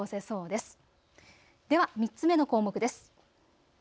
では３つ目の項目です。